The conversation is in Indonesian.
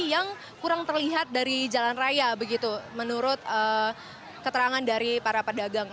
yang kurang terlihat dari jalan raya begitu menurut keterangan dari para pedagang